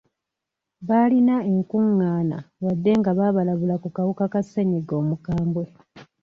Baalina enkungaana wadde nga baabalabula ku kawuka ka ssenyiga omukambwe.